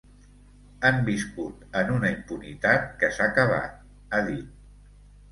Han viscut en una impunitat que s’ha acabat, ha dit.